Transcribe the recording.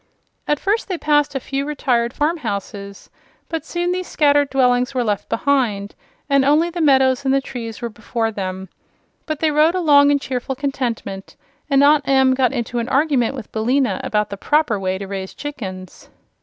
As first they passed a few retired farm houses, but soon these scattered dwellings were left behind and only the meadows and the trees were before them. But they rode along in cheerful contentment, and Aunt Em got into an argument with Billina about the proper way to raise chickens.